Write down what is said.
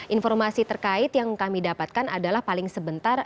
informasi terkait yang kami dapatkan adalah paling sebentar